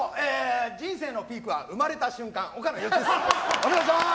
お願いします。